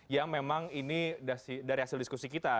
yang memang ini dari hasil diskusi kita